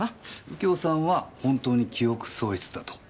右京さんは本当に記憶喪失だと？